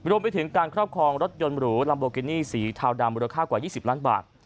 รวมไปถึงการครอบครองรถยนต์หรูลัมโบกินี่สีเทาดำมูลค่ากว่า๒๐ล้านบาท